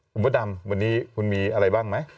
คุณพระดำวันนี้คุณมีอะไรบ้างไหม